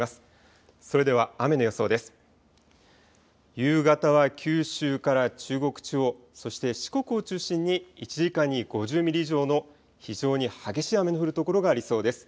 夕方は九州から中国地方、そして四国を中心に１時間に５０ミリ以上の非常に激しい雨の降る所がありそうです。